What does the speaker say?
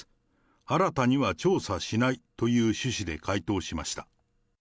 新たには調査しないという趣旨で回答しました。